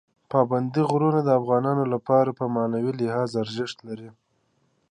پابندي غرونه د افغانانو لپاره په معنوي لحاظ ارزښت لري.